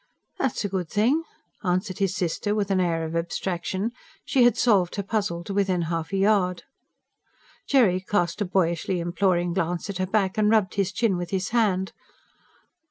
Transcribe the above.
"That's a good thing," answered his sister with an air of abstraction: she had solved her puzzle to within half a yard. Jerry cast a boyishly imploring glance at her back, and rubbed his chin with his hand.